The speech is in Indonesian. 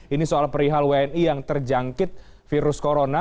ini soal perihal wni yang terjangkit virus corona